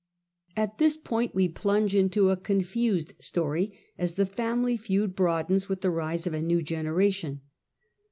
At this point we plunge into a confused story, as the family feud broadens with the rise of a new generation.